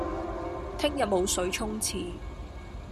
聽日冇水沖廁